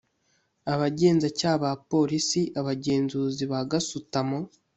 abagenzacyaha ba polisi abagenzuzi ba gasutamo